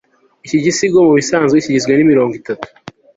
iki gisigo mubisanzwe kigizwe n'imirongo itatu